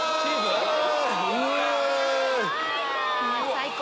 最高！